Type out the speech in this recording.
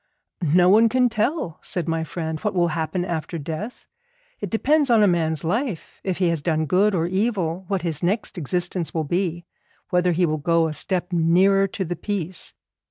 'No one can tell,' said my friend, 'what will happen after death. It depends on a man's life, if he has done good or evil, what his next existence will be, whether he will go a step nearer to the Peace.